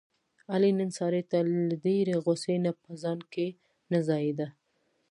علي نن سارې ته له ډېرې غوسې نه په ځان کې نه ځایېدا.